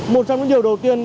một trong những điều đầu tiên